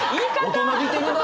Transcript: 大人びてるな。